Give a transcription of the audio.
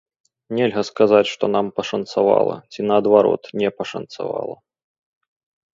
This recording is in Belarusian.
Нельга сказаць, што нам пашанцавала ці, наадварот, не пашанцавала.